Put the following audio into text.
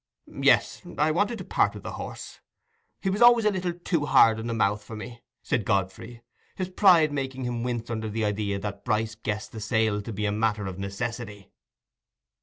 "Yes; I wanted to part with the horse—he was always a little too hard in the mouth for me," said Godfrey; his pride making him wince under the idea that Bryce guessed the sale to be a matter of necessity.